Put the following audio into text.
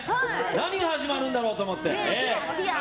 何が始まるんだろうと思って。